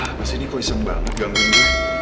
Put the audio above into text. tersia pas ini kok iseng banget gangguinnya